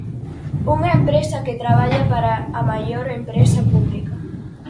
Unha empresa que traballa para a maior empresa pública.